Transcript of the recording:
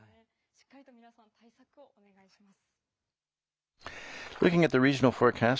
しっかりと皆さん対策をお願いします。